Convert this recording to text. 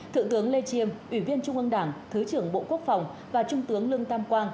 thượng tướng lê chiêm ủy viên trung ương đảng thứ trưởng bộ quốc phòng và trung tướng lương tam quang